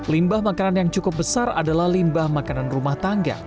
limbah makanan yang cukup besar adalah limbah makanan rumah tangga